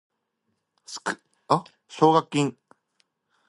Scholarships have also been awarded.